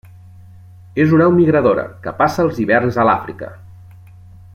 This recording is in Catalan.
És una au migradora, que passa els hiverns a l'Àfrica.